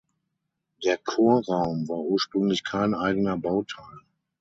Der Chorraum war ursprünglich kein eigener Bauteil.